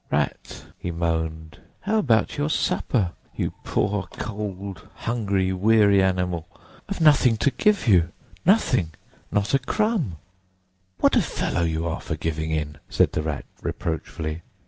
"Rat," he moaned, "how about your supper, you poor, cold, hungry, weary animal? I've nothing to give you—nothing—not a crumb!" "What a fellow you are for giving in!" said the Rat reproachfully.